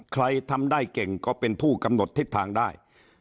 ใครทำได้เก่งก็เป็นผู้กำหนดทิศทางได้